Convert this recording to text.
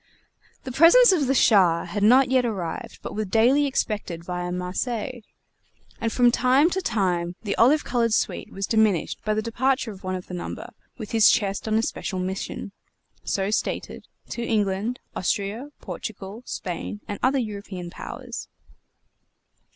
The presents of the Shah had not yet arrived, but were daily expected via Marseilles, and from time to time the olive colored suite was diminished by the departure of one of the number with his chest on a special mission (so stated) to England, Austria, Portugal, Spain, and other European powers.